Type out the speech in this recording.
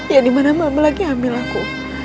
ya dimana mama lagi hamil aku